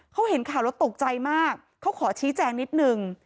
เขาเห็นข่าวแล้วตกใจมากเขาขอชี้แจงนิดนึง